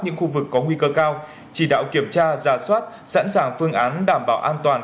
những khu vực có nguy cơ cao chỉ đạo kiểm tra giả soát sẵn sàng phương án đảm bảo an toàn